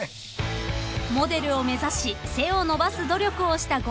［モデルを目指し背を伸ばす努力をした剛力さん］